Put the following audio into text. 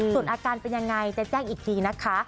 ส่วนอาการเป็นยังไงจะแจ้งอีกทีนะคะ